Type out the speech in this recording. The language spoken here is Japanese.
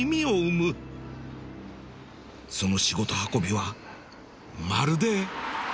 その仕事運びはまるで